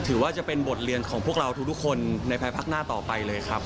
ถือว่าเป็นบทเรียนของพวกเราทุกคนในภายพักหน้าต่อไปเลยครับ